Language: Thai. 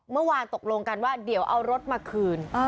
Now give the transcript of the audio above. เมื่อวานตกลงกันว่าเดี๋ยวเอารถมาคืน